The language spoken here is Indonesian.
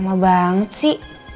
lama banget sih